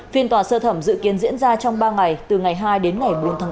phiên tòa sơ thẩm dự kiến diễn ra trong ba ngày từ ngày hai đến ngày bốn tháng bốn